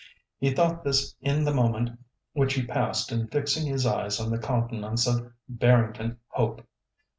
He thought this in the moment which he passed in fixing his eyes on the countenance of Barrington Hope.